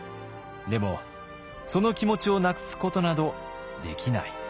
でもその気持ちをなくすことなどできない。